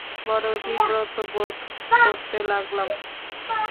বড় বিব্রত বোধ করতে লাগলাম!